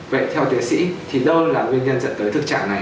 vậy theo tiến sĩ thì đâu là nguyên nhân dẫn tới thực trạng này